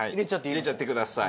入れちゃってください。